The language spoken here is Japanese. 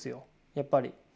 やっぱり。